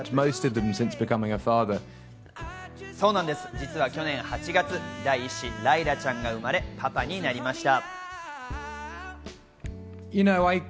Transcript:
実は去年８月、第一子、ライラちゃんが生まれパパになりました。